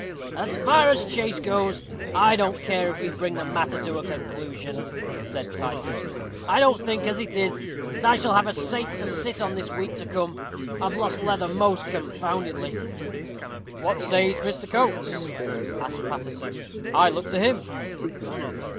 "As far as chase goes, I don't care if we bring the matter to a conclusion," said Titus. "I don't think, as it is, that I shall have a sate to sit on this week to come. I've lost leather most confoundedly." "What says Mr. Coates?" asked Paterson. "I look to him."